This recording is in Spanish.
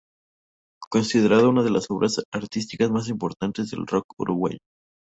Es considerado como una de las obras artísticas más importantes del rock uruguayo.